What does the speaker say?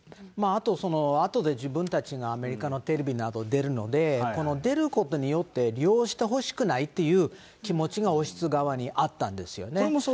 あと、あとで自分たちがアメリカのテレビなど出るので、この出ることによって利用してほしくないっていう気持ちが王室側にあったんですよね。